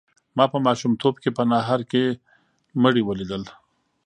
ما په ماشومتوب کې په نهر کې مړي ولیدل.